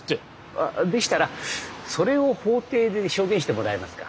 あっでしたらそれを法廷で証言してもらえますか？